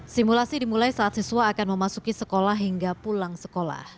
simulasi dimulai saat siswa akan memasuki sekolah hingga pulang sekolah